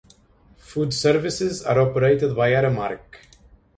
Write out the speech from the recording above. Food services are operated by Aramark.